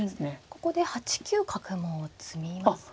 ここで８九角も詰みますか？